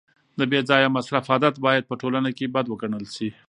د بې ځایه مصرف عادت باید په ټولنه کي بد وګڼل سي.